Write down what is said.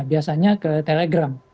biasanya ke telegram